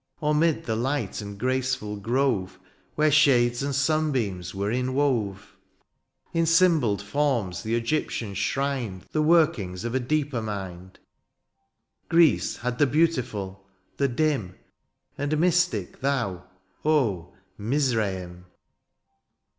Or mid the light and graceful grove Where shades and sunbeams were inwove. 38 DIONTSIUS, In symbolled forms the Egyptian shrined The workings of a deeper mind ;— Greece had the beautiful — ^the dim And mystic thon^ oh ! Mizraim.